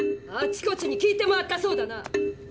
あちこちに聞いて回ったそうだな。